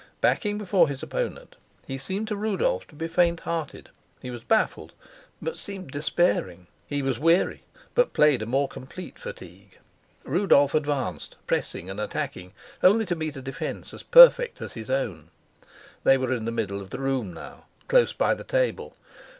Backing before his opponent, he seemed to Rudolf to be faint hearted; he was baffled, but seemed despairing; he was weary, but played a more complete fatigue. Rudolf advanced, pressing and attacking, only to meet a defence as perfect as his own. They were in the middle of the room now, close by the table.